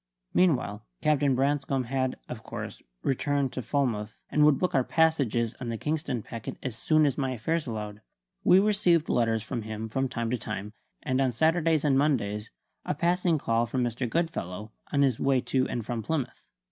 Meanwhile, Captain Branscome had, of course, returned to Falmouth, and would book our passages on the Kingston packet as soon as my affairs allowed. We received letters from him from time to time, and on Saturdays and Mondays a passing call from Mr. Goodfellow, on his way to and from Plymouth.